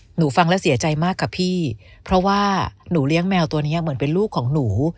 หนูฟังแล้วเสียใจมากค่ะพี่เพราะว่าหนูเลี้ยงแมวตัวนี้เหมือนเป็นลูกของหนู